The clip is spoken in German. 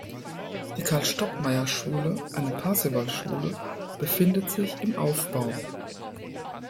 Die Karl Stockmeyer Schule, eine Parzival-Schule, befindet sich im Aufbau.